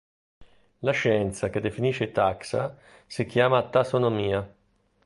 La scienza che definisce i taxa si chiama tassonomia.